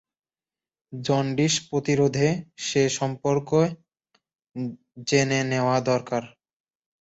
Jaundice প্রতিরোধে সে সম্পর্ক জেনে নেওয়া দরকার।